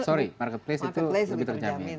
sorry marketplace itu lebih tercapai